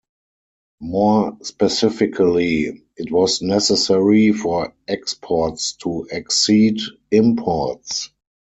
More specifically, it was necessary for exports to exceed imports.